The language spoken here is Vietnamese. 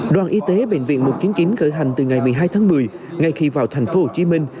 đoàn y tế bệnh viện một trăm chín mươi chín cởi hành từ ngày một mươi hai tháng một mươi ngay khi vào tp hồ chí minh